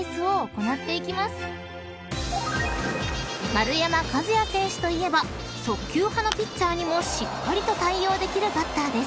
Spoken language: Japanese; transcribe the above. ［丸山和郁選手といえば速球派のピッチャーにもしっかりと対応できるバッターです］